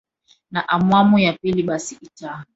na awamu ya pili basi itaa